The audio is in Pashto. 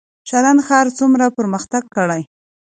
شرن ښار څومره پرمختګ کړی؟